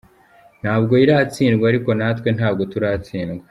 Ntabwo iratsindwa ariko natwe ntabwo turatsindwa.